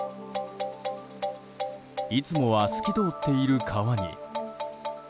いつもは透き通っている川に。